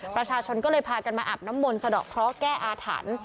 ประชาชนก็เลยพากันมาอาบน้ำมนต์สะดอกเคราะห์แก้อาถรรพ์